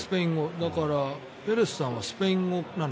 だから、ペレスさんはスペイン語なの？